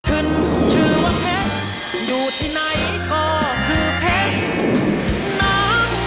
ขึ้นชื่อว่าเพชรอยู่ที่ไหนก็คือเพชรน้ำ